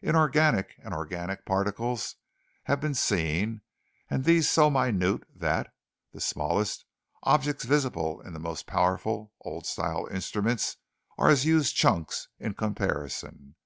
Inorganic and organic particles have been seen, and these so minute that (the smallest) objects visible in the most powerful old style instruments are as huge chunks in comparison.